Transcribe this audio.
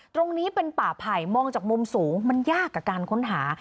ตรงนี้เป็นป่าไผ่มองจากมุมสูงมันยากกับการค้นหา